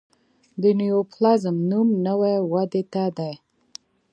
د نیوپلازم نوم نوي ودې ته دی.